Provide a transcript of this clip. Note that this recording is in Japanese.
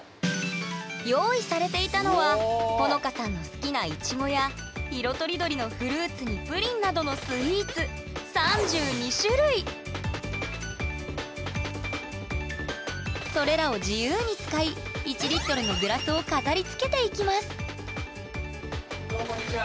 用意されていたのはほのかさんの好きなイチゴや色とりどりのフルーツにプリンなどのスイーツそれらを自由に使い１リットルのどうもこんにちは。